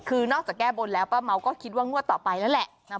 คือนอกจากแก้บนแล้วป้าเม้าก็คิดว่างวดต่อไปนั่นแหละ